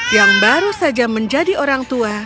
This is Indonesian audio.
yang baru saja menjadi orang tua